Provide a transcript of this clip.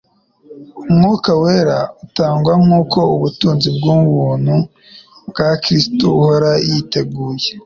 Umwuka wera atangwa nk'uko ubutunzi bw'ubuntu bwa Kristo ahora yiteguye